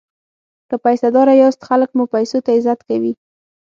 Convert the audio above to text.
که پیسه داره یاست خلک مو پیسو ته عزت کوي.